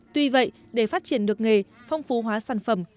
tuy vậy để phát triển được nghề phong phú hóa sản phẩm